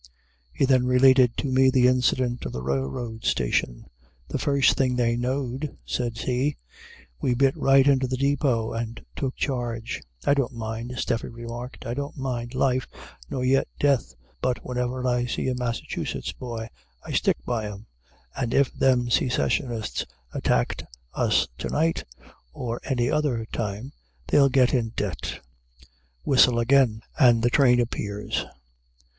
He then related to me the incident of the railroad station. "The first thing they know'd," says he, "we bit right into the depot and took charge." "I don't mind," Stephe remarked, "I don't mind life, nor yit death; but whenever I see a Massachusetts boy, I stick by him, and if them Secessionists attackt us to night, or any other time, they'll get in debt." Whistle, again! and the train appears.